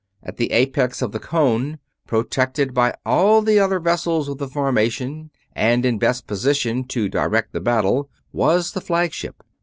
At the apex of the cone, protected by all the other vessels of the formation and in best position to direct the battle, was the flagship.